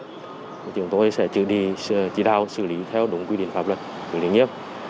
thì chúng tôi sẽ trừ đi chỉ đạo xử lý theo đúng quy định pháp luật của lĩnh nghiệp